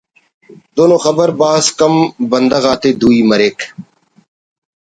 دن ءُ خبر بھاز کم بندغ آتے دوئی مریک